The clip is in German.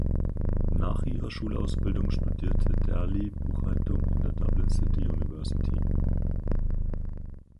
Nach ihrer Schulausbildung studierte Daly Buchhaltung an der Dublin City University.